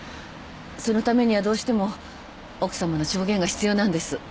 そのためにはどうしても奥さまの証言が必要なんです。